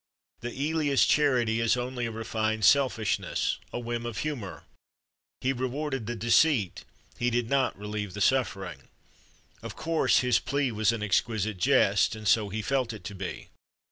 The Elia's charity is only a refined selfishness, a whim of humor. He rewarded the deceit, he did not relieve the suffering. Of course, his plea was an exquisite jest, and so he felt it to be.